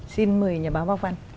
xin mời nhà báo vóc văn